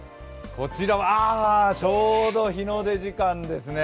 こちらはちょうど日の出時間ですね。